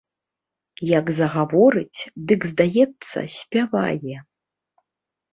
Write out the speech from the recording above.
Як загаворыць, дык, здаецца, спявае.